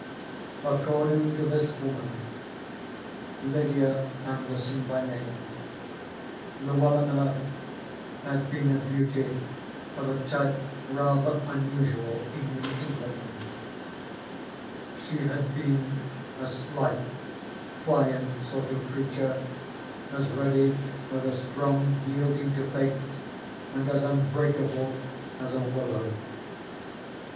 According to this woman, Lydia Anderson by name, Luella Miller had been a beauty of a type rather unusual in New England. She had been a slight, pliant sort of creature, as ready with a strong yielding to fate and as unbreakable as a willow.